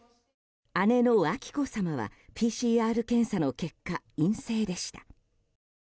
姉の彬子さまはＰＣＲ検査の結果陰性でした。